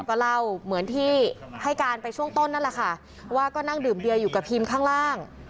ก็เล่าเหมือนที่ให้การไปช่วงต้นนั่นแหละค่ะว่าก็นั่งดื่มเบียอยู่กับพิมข้างล่าง